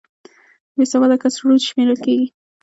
بې سواده کس ړوند شمېرل کېږي